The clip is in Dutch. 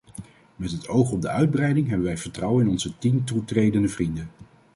Met het oog op de uitbreiding hebben wij vertrouwen in onze tien toetredende vrienden.